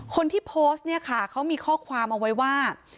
คนที่โพสต์เนี่ยค่ะเขามีข้อความเอาไว้ว่า